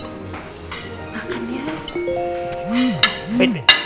anduin mana al kok belum dateng